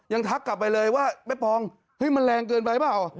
ทักกลับไปเลยว่าแม่ปองเฮ้ยมันแรงเกินไปเปล่า